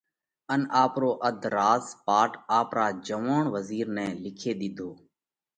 ان آپرو اڌ راز پاٽ آپرا نوجوئوڻ وزِير نئہ لکي ۮِيڌو۔